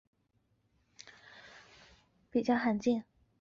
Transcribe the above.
血压升高和肌肉震颤和呼吸减慢则较罕见。